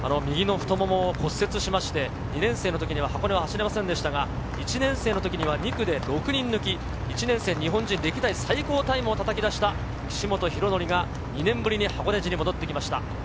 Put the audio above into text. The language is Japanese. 右の太腿を骨折して２年生の時、箱根は走れませんでしたが、１年生の時には２区で６人抜き、１年生日本人歴代最高タイムをたたき出した岸本大紀が２年ぶりに箱根路に戻ってきました。